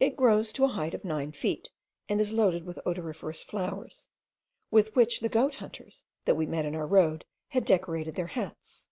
It grows to the height of nine feet, and is loaded with odoriferous flowers, with which the goat hunters, that we met in our road, had decorated their hats.